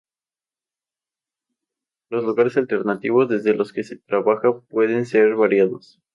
Los lugares alternativos desde los que se trabaja pueden ser variados.